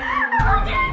aku tikya jum'at